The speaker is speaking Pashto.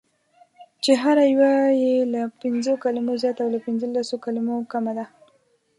چې هره یوه یې له پنځو کلمو زیاته او له پنځلسو کلمو کمه ده: